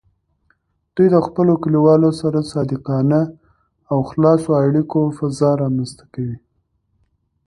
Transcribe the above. دوی د خپلو کلیوالو سره د صادقانه او خلاصو اړیکو فضا رامینځته کوي.